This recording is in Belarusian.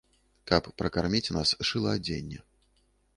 Каб пракарміць нас, шыла адзенне.